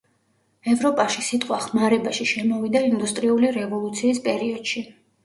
ევროპაში სიტყვა ხმარებაში შემოვიდა ინდუსტრიული რევოლუციის პერიოდში.